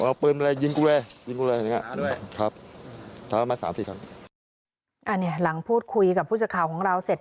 อันนี้หลังพูดคุยกับผู้สื่อข่าวของเราเสร็จ